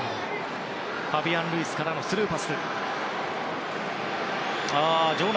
ファビアン・ルイスからのスルーパスでした。